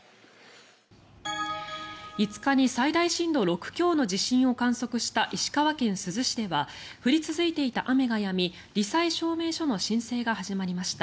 ５日に最大震度６強の地震を観測した石川県珠洲市では降り続いていた雨がやみり災証明書の申請が始まりました。